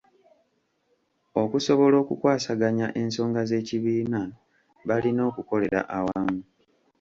Okusobola okukwasaganya ensonga z'ekibiina, balina okukolera awamu.